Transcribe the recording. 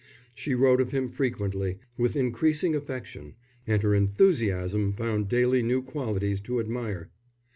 She wrote of him freely, with increasing affection, and her enthusiasm found daily new qualities to admire.